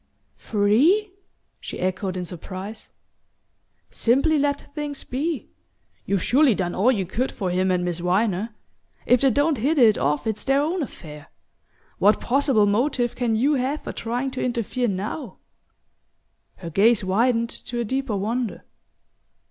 "Free?" she echoed in surprise. "Simply let things be. You've surely done all you could for him and Miss Viner. If they don't hit it off it's their own affair. What possible motive can you have for trying to interfere now?" Her gaze widened to a deeper wonder.